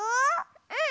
うん！